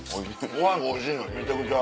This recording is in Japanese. ご飯もおいしいめちゃくちゃ。